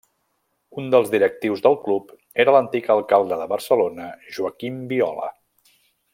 Un dels directius del club era l'antic alcalde de Barcelona Joaquim Viola.